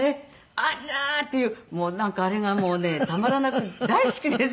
あらー」っていうなんかあれがもうねたまらなく大好きですね。